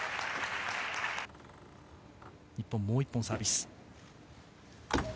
日本、もう１本サービス。